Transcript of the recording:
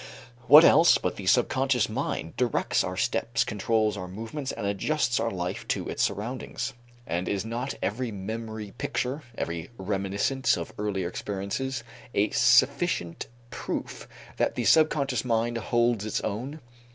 What else but the subconscious mind directs our steps, controls our movements, and adjusts our life to its surroundings? And is not every memory picture, every reminiscence of earlier experiences a sufficient proof that the subconscious mind holds its own?